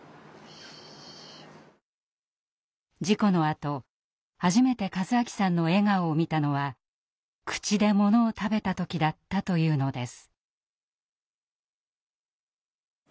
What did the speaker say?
事故のあと初めて和明さんの笑顔を見たのは口でものを食べた時だったというのです。